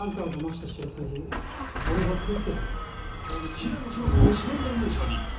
平野紫耀さんが主演男優賞に。